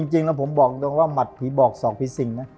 จริงแล้วผมบอกตรงว่าหมัดผีบอกสองผีสิงนะ